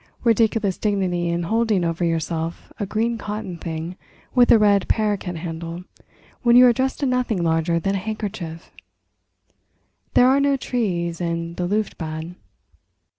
Ridiculous dignity in holding over yourself a green cotton thing with a red parroquet handle when you are dressed in nothing larger than a handkerchief. There are no trees in the "Luft Bad."